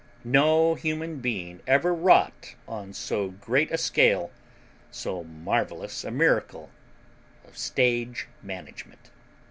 No human being ever wrought on so great a scale so marvelous a miracle of stage management.